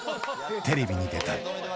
テレビに出たい。